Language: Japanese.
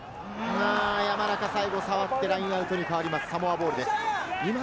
山中が最後に触って、ラインアウトに変わります、サモアボールです。